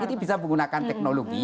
itu bisa menggunakan teknologi